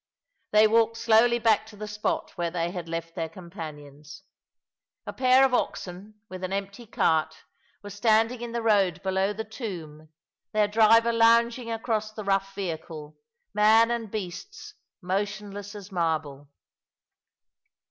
They walked slowly back to the spot where they had left their companions. A pair of oxen, with an empty cart, were standing in the road below the tomb, their driver lounging across the rough vehicle — man and beasts motionless as marble.